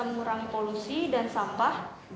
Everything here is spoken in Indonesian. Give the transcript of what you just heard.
mengurangi polusi dan sampah